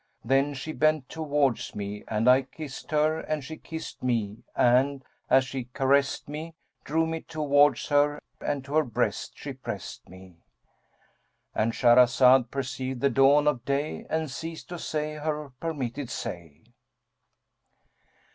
Then she bent towards me and I kissed her and she kissed me and, as she caressed me, drew me towards her and to her breast she pressed me."—And Shahrazad perceived the dawn of day and ceased to say her permitted say.